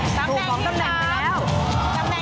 เจฟเจฟ